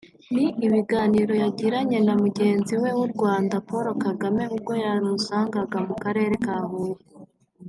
ni ibiganiro yagiranye na mugenzi we w’u Rwanda Paul Kagame ubwo yamusangaga mu karere ka Huye